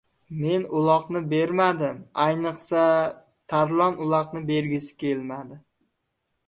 Men uloqni bermadim. Ayniqsa, Tarlon uloqni bergisi kelmadi.